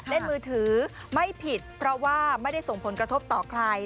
เล่นมือถือไม่ผิดเพราะว่าไม่ได้ส่งผลกระทบต่อใคร